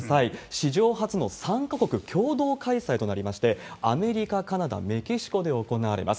史上初の３か国共同開催となりまして、アメリカ、カナダ、メキシコで行われます。